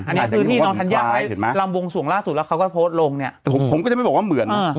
อันนี้คือที่น้องธัญญาไว้ลำวงสวงล่าสุดแล้วเขาก็โพสต์ลงเนี่ยแต่ผมก็จะไม่บอกว่าเหมือน